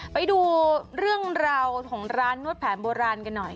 ไปดูเรื่องราวของร้านนวดแผนโบราณกันหน่อย